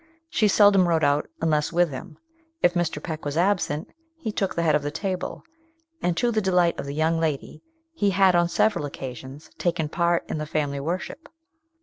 She seldom rode out, unless with him. If Mr. Peck was absent, he took the head of the table; and, to the delight of the young lady, he had on several occasions taken part in the family worship.